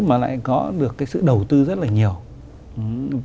mà lại có được cái sự đầu tư rất là nhiều